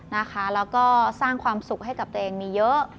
แล้วก็สร้างความสุขให้กับตัวเองมีเยอะ